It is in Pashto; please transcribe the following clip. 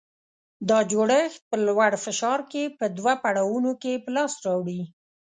دا جوړښت په لوړ فشار کې په دوه پړاوونو کې په لاس راوړي.